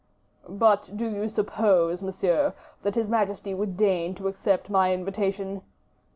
"But do you suppose, monsieur, that his majesty would deign to accept my invitation?"